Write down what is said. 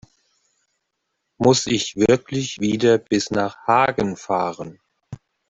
Muss ich wirklich wieder bis nach Hagen fahren?